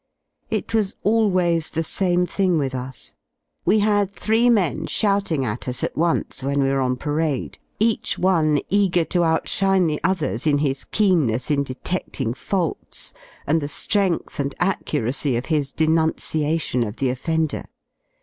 It was always the same thing with us; we had three men shouting at us at once when we were on parade, each one eager to outshine the others in his keenness in deteding faults and the ^rength and accuracy of his denunciation of the offender.